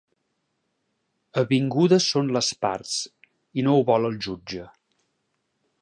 Avingudes són les parts, i no ho vol el jutge.